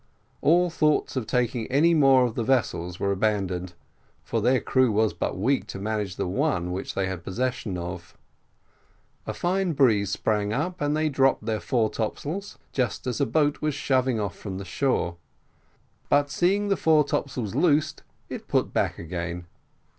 All thoughts of taking any more of the vessels were abandoned, for their crew was but weak to manage the one which they had possession of. A fine breeze sprang up, and they dropped their fore topsails, just as a boat was shoving off from the shore; but seeing the fore topsails loosed, it put back again.